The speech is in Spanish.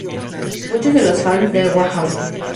Muchos de los fans de Wham!